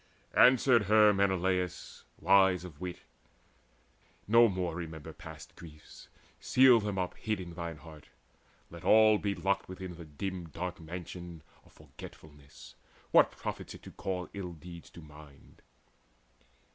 Answered her Menelaus wise of wit: "No more remember past griefs: seal them up Hid in thine heart. Let all be locked within The dim dark mansion of forgetfulness. What profits it to call ill deeds to mind?"